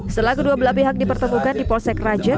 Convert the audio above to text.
setelah kedua belah pihak dipertemukan di polsek raja